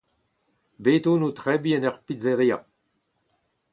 Bet on o tebriñ en ur pizzeria.